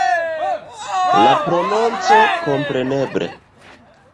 La prononco, kompreneble.